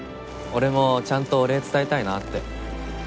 俺もちゃんとお礼伝えたいなって。